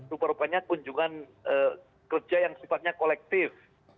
rupa rupanya kunjungan kerja yang sifatnya kolektif